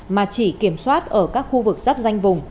mà chỉ kiểm soát ở các khu vực rắp rạch